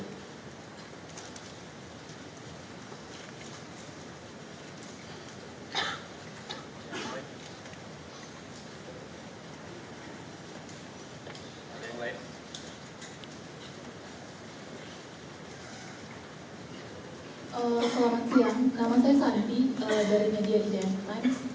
selamat siang nama saya sandi dari media identity